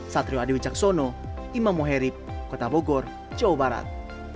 satrio adewi caksono imam moherib kota bogor jawa barat